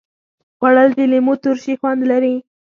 خوړل د لیمو ترشي خوند لري